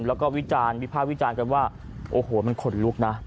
แล้วก็วิจารณ์วิภาควิจารณ์กันว่าโอ้โหมันขนลุกนะ